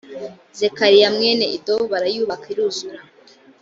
zekariya mwene ido barayubaka iruzura